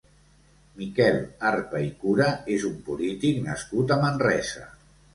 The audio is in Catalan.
Miquel Arpa i Cura és un polític nascut a Manresa.